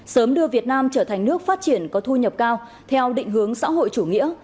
sớm đưa việt nam trở thành nước phát triển có thu nhập cao theo định hướng xã hội chủ nghĩa